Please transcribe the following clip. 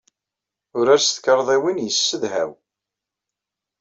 Urar s tkarḍiwin yessedhaw.